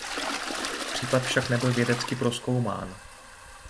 Případ však nebyl vědecky prozkoumán.